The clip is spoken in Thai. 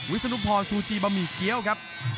ศนุพรชูจีบะหมี่เกี้ยวครับ